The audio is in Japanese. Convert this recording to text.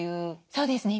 そうですね。